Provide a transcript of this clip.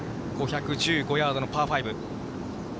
５１５ヤードのパー５。